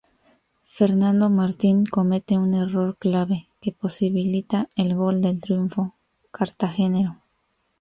Fernando Martín comete un error clave que posibilita el gol del triunfo cartagenero.